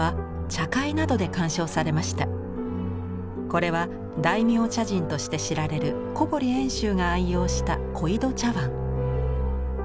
これは大名茶人として知られる小堀遠州が愛用した小井戸茶碗。